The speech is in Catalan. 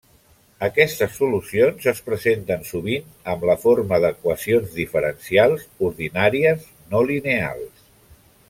Aquestes solucions es presenten sovint amb la forma d'equacions diferencials ordinàries no lineals.